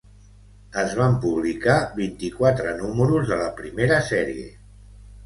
Es van publicar vint-i-quatre números de la primera sèrie.